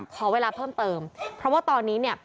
ขอเวลาเพิ่มเติมเพราะว่าตอนนี้เนี่ย